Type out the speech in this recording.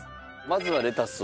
まずはレタス。